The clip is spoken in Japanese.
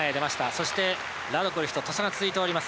そしてラドクリフと土佐が続いております